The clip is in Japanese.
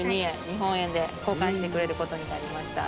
日本円で交換してくれることになりました。